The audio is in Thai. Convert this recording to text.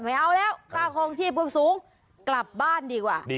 ไม่เอาแล้วค่าคลองชีพก็สูงกลับบ้านดีกว่า